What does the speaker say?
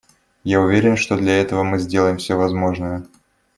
Я уверен, что для этого мы сделаем все возможное.